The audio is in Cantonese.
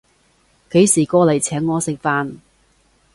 幾時過來請我食飯